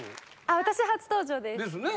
私初登場ですですね